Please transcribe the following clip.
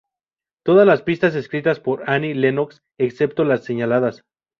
Todas las pistas escritas por Annie Lennox excepto las señaladas.